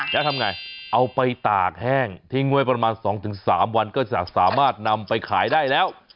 แล้วทำไงเอาไปตากแห้งทิ้งไว้ประมาณ๒๓วันก็จะสามารถนำไปขายได้แล้ว